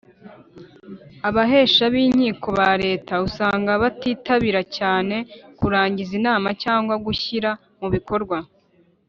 Abahesha b inkiko ba leta usanga batitabira cyane kurangiza imanza cyangwa gushyira mu bikorwa